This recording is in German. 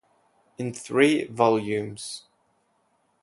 In Three Volumes.